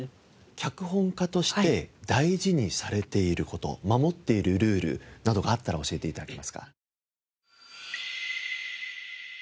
脚本家として大事にされている事守っているルールなどがあったら教えて頂けますか？